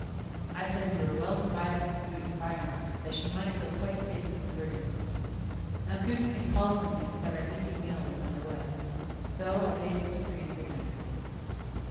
I said we were well provided with food and fire arms, that she might feel quite safe from the brigands. Now Coonskin called for me and said our evening meal was under way. So, I bade Mrs. Green a good night.